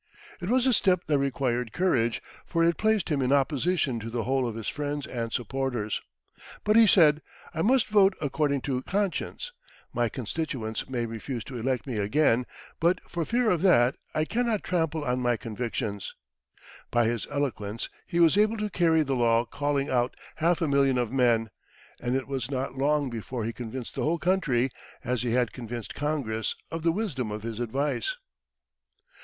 It was a step that required courage, for it placed him in opposition to the whole of his friends and supporters. But he said, "I must vote according to conscience. My constituents may refuse to elect me again, but for fear of that, I cannot trample on my convictions." By his eloquence he was able to carry the law calling out half a million of men, and it was not long before he convinced the whole country, as he had convinced Congress, of the wisdom of his advice.